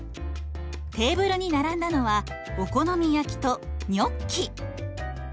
テーブルに並んだのはお好み焼きとニョッキ。